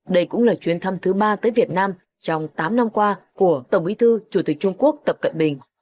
đây cũng là chuyến thăm thứ ba tới việt nam trong tám năm qua của tổng bí thư chủ tịch trung quốc tập cận bình